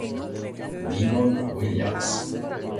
Devon Williams